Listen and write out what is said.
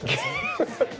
ハハハハ！